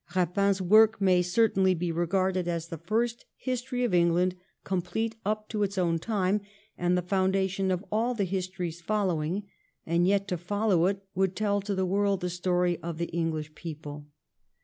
Eapin's work may certainly be regarded as the first History of England complete up to its own time, and the foundation of all the histories following and yet to follow it which tell to the world the story of the English people.